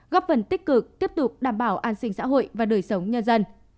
góp phần tích cực tiếp tục đảm bảo an sinh xã hội và đời sống nhân dân